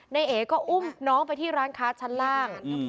นายเอ๋ก็อุ้มน้องไปที่ร้านค้าชั้นล่าง